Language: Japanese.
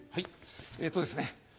えっとですね